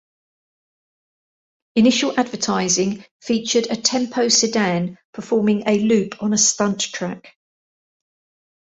Initial advertising featured a Tempo sedan performing a loop on a stunt track.